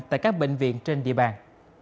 tại các bệnh viện trên địa bàn